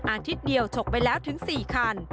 อาทิตย์เดียวฉกไปแล้วถึง๔คัน